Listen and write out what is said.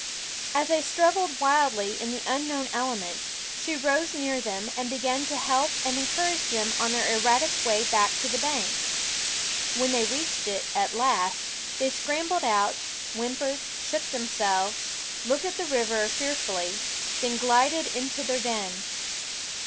As they strug gled wildly in the unknown element, she rose near them and began to help and encourage them on their erratic way back to the bank. When they reached it, at last, they scrambled out, whimpered, shook themselves, looked at 3 Onffie Way X, ^7 " ^/OL^I 5* SCHOOL Of the river fearfully, then glided into their den.